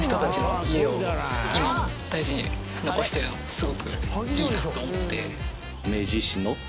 すごくいいなと思って。